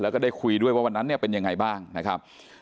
แล้วก็ได้คุยด้วยว่าวันนั้นเนี่ยเป็นยังไงบ้างนะครับ